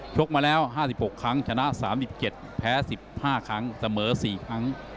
กมาแล้ว๕๖ครั้งชนะ๓๗แพ้๑๕ครั้งเสมอ๔ครั้ง